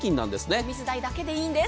お水代だけでいいんです。